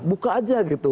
buka aja gitu